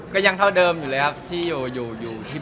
ก็ยังเท่าเดิมอยู่เลยครับที่แบบบ้านอยู่เลยครับ